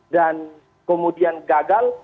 dan kemudian gagal